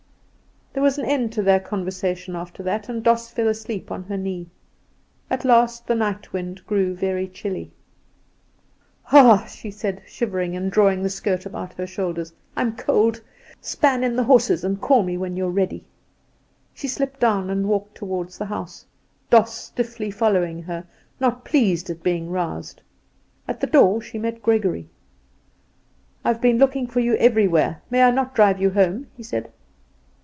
There was an end to their conversation after that, and Doss fell asleep on her knee. At last the night wind grew very chilly. "Ah," she said, shivering, and drawing the skirt about her shoulders, "I am cold. Span in the horses, and call me when you are ready." She slipped down and walked toward the house, Doss stiffly following her, not pleased at being roused. At the door she met Gregory. "I have been looking for you everywhere; may I not drive you home?" he said.